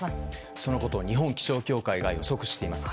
そのことを日本気象協会が予想しています。